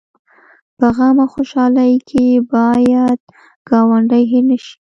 په غم او خوشحالۍ کې باید ګاونډی هېر نه شي